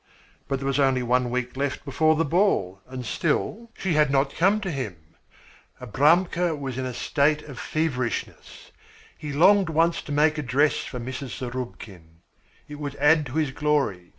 But there was only one week left before the ball, and still she had not come to him. Abramka was in a state of feverishness. He longed once to make a dress for Mrs. Zarubkin. It would add to his glory.